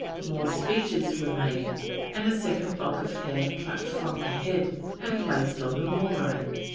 More speeches were made, and a second lock of hair plucked from the head and placed on the Morai.